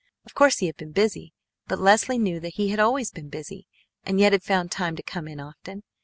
Of course he had been busy, but Leslie knew that he had always been busy, and yet had found time to come in often.